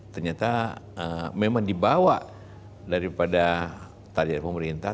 ternyata memang dibawa daripada target pemerintah